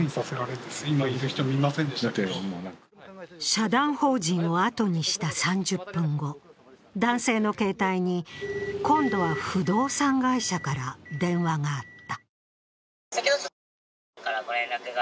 社団法人をあとにした３０分後、男性の携帯に今度は不動産会社から電話があった。